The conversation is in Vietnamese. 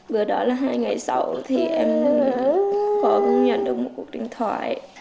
vừa đó là hai ngày sau thì em có nhận được một cuộc tình thoại